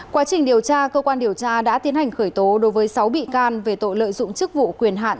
quá trình điều tra cơ quan điều tra đã tiến hành khởi tố đối với sáu bị can về tội lợi dụng chức vụ quyền hạn